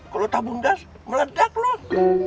kalau tabung gas meledak loh